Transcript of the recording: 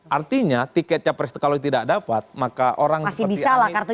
artinya tiket capres kalau tidak dapat maka orang seperti anies